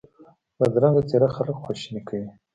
بدرنګه څېره خلک خواشیني کوي